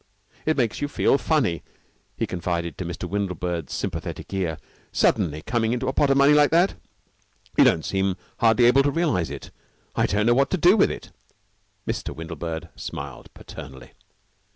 "It makes you feel funny," he confided to Mr. Windlebird's sympathetic ear, "suddenly coming into a pot of money like that. You don't seem hardly able to realize it. I don't know what to do with it." Mr. Windlebird smiled paternally.